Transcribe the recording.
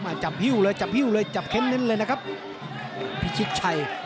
จับหิ้วเลยจับหิ้วเลยจับเค้นเน้นเลยนะครับพิชิตชัย